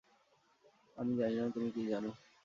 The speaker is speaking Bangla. আমি জানি না তুমি কী জানো।